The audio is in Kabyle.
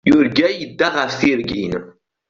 Yurga yedda ɣef tirgin.